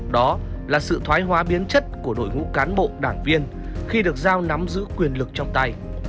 đó là sự thoái hóa biến chất của đội ngũ cán bộ đảng viên khi được giao nắm giữ quyền lực trong tay